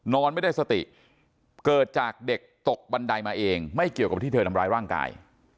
นอนไม่ได้สติเกิดจากเด็กตกบันไดมาเองไม่เกี่ยวกับที่เธอทำร้ายร่างกาย